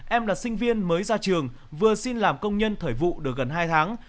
em là sinh viên mới ra trường vừa xin làm công nhân thời vụ được gần hai tháng